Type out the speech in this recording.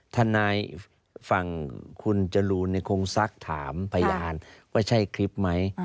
ทนายฝั่งคุณจรูนคงซักถามพยานว่าใช่คลิปไหม